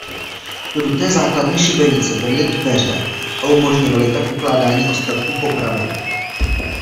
Do duté základny šibenice vedly dveře a umožňovaly tak ukládání ostatků popravených.